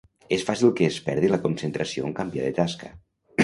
És fàcil que es perdi la concentració en canviar de tasca.